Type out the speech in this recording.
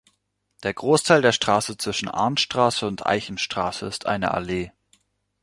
Der Großteil der Straße zwischen Arndtstraße und Eichenstraße ist eine Allee.